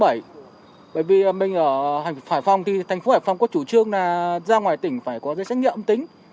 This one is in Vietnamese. bởi vì mình ở hải phòng thì thành phố hải phòng có chủ trương là ra ngoài tỉnh phải có giấy xét nghiệm âm tính